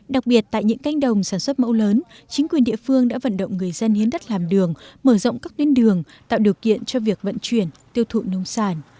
đặc biệt tại những canh đồng sản xuất mẫu lớn chính quyền địa phương đã vận động người dân hiến đất làm đường mở rộng các tuyến đường tạo điều kiện cho việc vận chuyển tiêu thụ nông sản